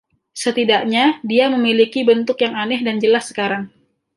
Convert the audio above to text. Setidaknya dia memiliki bentuk yang aneh dan jelas sekarang.